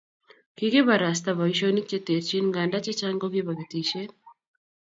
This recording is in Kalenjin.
Kikibarasta boisionik che terchin nganda chechang kokibo ketisiet